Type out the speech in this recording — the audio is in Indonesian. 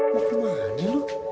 mau kemana lo